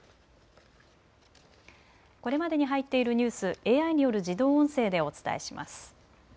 これまでに入っているニュース、ＡＩによる自動音声でお伝えします。